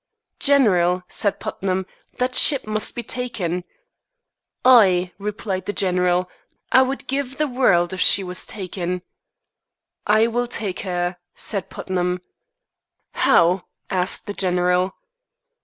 "General," said Putnam, "that ship must be taken." "Aye," replied the general, "I would give the world if she was taken." "I will take her," said Putnam. "How?" asked the general.